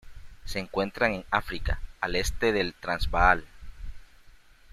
Se encuentran en África: al este del Transvaal.